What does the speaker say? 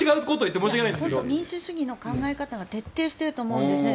民主主義の考え方が徹底していると思うんですね。